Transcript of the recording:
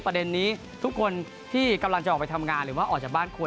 ประเด็นนี้ทุกคนที่กำลังจะออกไปทำงานหรือว่าออกจากบ้านควร